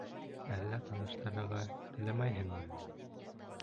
Әллә таныштырырға теләмәйһеңме?